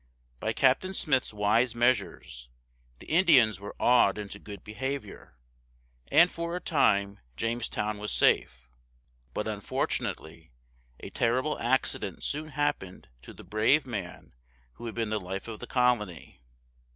By Captain Smith's wise measures, the Indians were awed into good behavior, and for a time Jamestown was safe. But, unfortunately, a terrible accident soon happened to the brave man who had been the life of the colony.